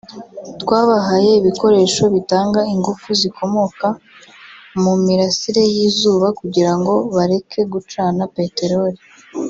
twabahaye ibikoresho bitanga ingufu zikomoka mu mirasire y’izuba kugira ngo bareke gucana peteroli